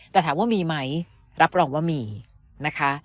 แต่ถามว่ามีไหมรับรองว่ามีนะคะ